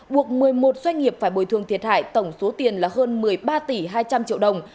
doanh nghiệp phải bồi thường thiệt hại tổng số tiền là hơn một mươi ba tỷ hai trăm linh triệu đồng